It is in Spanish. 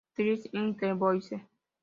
This is the voice.